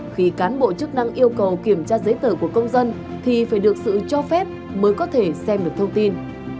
khi cán bộ chức năng yêu cầu kiểm tra giấy tờ của công dân thì phải được sự cho phép mới có thể xem được thông tin